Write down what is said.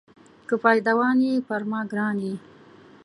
که پایدوان یې پر ما ګران یې.